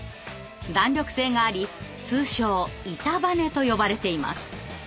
弾力性があり通称「板バネ」と呼ばれています。